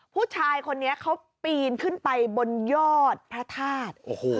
ผู้ชายคนนี้เขาปีนขึ้นไปบนยอดพระธาตุ